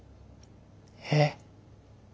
えっ？